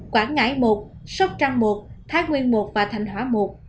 quảng ngãi một sóc trăng một thái nguyên một và thành hóa một